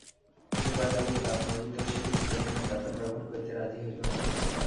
যে কয়লা দিয়ে দাঁত মাজিত সে কিছুতেই নিমের দাতন ব্যবহার করিতে রাজি হইল না।